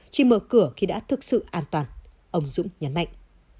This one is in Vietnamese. chỉ mở cửa khi đã thực sự an toàn ông dũng nhấn mạnh